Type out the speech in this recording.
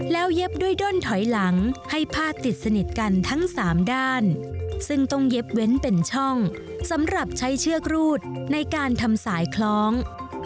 แล้วเย็บด้วยด้นถอยหลังให้ผ้าติดสนิทกันทั้ง๓ด้านซึ่งต้องเย็บเว้นเป็นช่องสำหรับใช้เชือกรูดในการทำสายคล้อง